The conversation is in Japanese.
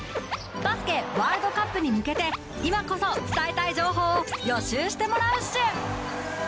バスケワールドカップに向けて今こそ伝えたい情報を予習してもらうっシュ！